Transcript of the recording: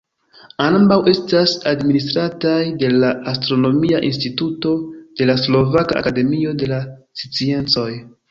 Ambaŭ estas administrataj de la Astronomia instituto de la Slovaka akademio de la sciencoj.